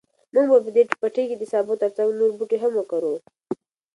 موږ به په دې پټي کې د سابو تر څنګ نور بوټي هم وکرو.